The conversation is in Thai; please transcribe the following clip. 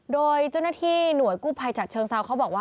โดยเจ้าหน้าที่หน่วยกู้ภัยจากเชิงเซาเขาบอกว่า